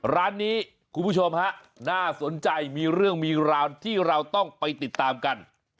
ร้านนี้คุณผู้ชมฮะน่าสนใจมีเรื่องมีราวที่เราต้องไปติดตามกัน